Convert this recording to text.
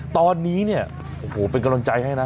ตอนนี้เนี่ยโอ้โหเป็นกำลังใจให้นะ